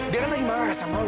dia kan lagi marah sama lu